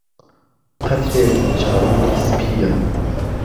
قهترێک نێوچاوانی سپییه